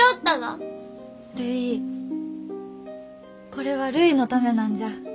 これはるいのためなんじゃ。